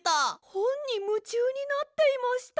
ほんにむちゅうになっていました！